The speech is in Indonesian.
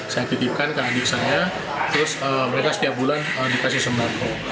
saya titipkan ke adik saya terus mereka setiap bulan dikasih sembako